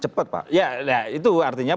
cepat pak ya itu artinya